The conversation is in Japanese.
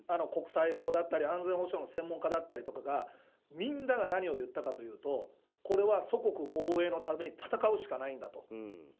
国際法だったり安全保障の専門家だったりがみんなが何を言ったかというとこれは祖国防衛のために戦うしかないんだと。